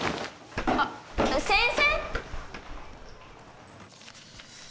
あっ先生？